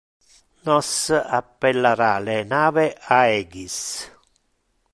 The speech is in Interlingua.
Nos appellara le nave Aegis.